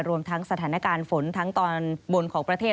รวมทั้งสถานการณ์ฝนทั้งตอนบนของประเทศ